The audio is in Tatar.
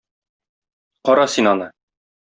Кара син аны!